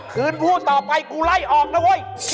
ฝืนพูดต่อไปกูไล่ออกแล้ว